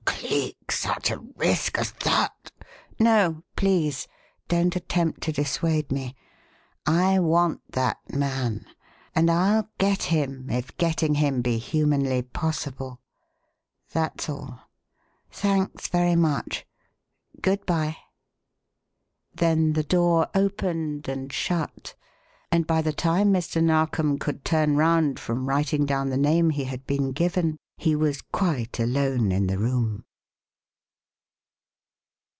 Cleek, such a risk as that " "No please don't attempt to dissuade me. I want that man, and I'll get him if getting him be humanly possible. That's all. Thanks very much. Good bye." Then the door opened and shut, and by the time Mr. Narkom could turn round from writing down the name he had been given, he was quite alone in the room.